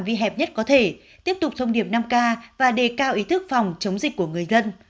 vi hẹp nhất có thể tiếp tục thông điệp năm k và đề cao ý thức phòng chống dịch của người dân